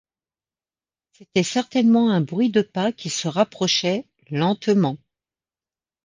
C’était certainement un bruit de pas qui se rapprochaient — lentement.